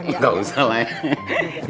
enggak usah lah ya